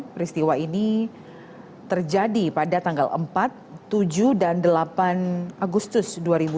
peristiwa ini terjadi pada tanggal empat tujuh dan delapan agustus dua ribu dua puluh